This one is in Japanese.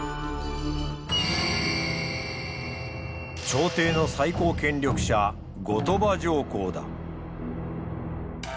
朝廷の最高権力者後鳥羽上皇だ。